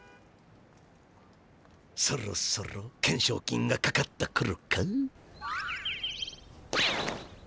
そろそろ懸賞金がかかったころか？